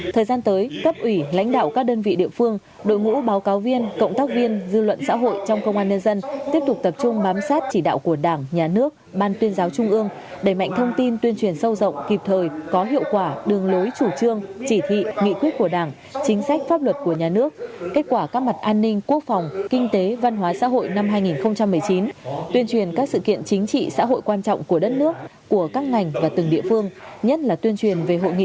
thời gian tới cấp ủy lãnh đạo các đơn vị địa phương đội ngũ báo cáo viên cộng tác viên dư luận xã hội trong công an nhân dân tiếp tục tập trung bám sát chỉ đạo của đảng nhà nước ban tuyên giáo trung ương đẩy mạnh thông tin tuyên truyền sâu rộng kịp thời có hiệu quả đường lối chủ trương chỉ thị nghị quyết của đảng chính sách pháp luật của nhà nước kết quả các mặt an ninh quốc phòng kinh tế văn hóa xã hội năm hai nghìn một mươi chín tuyên truyền các sự kiện chính trị xã hội quan trọng của đất nước của các ng